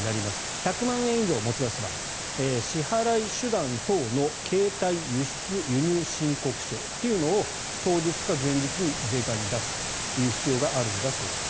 １００万円以上持ち出す場合支払手段等の携帯輸出・輸入申告書というのを当日か前日に税関に出す必要があるんだそうです。